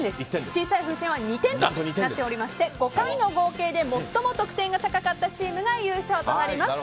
小さい風船は２点となっておりまして５回の合計で最も得点が高かったチームが優勝となります。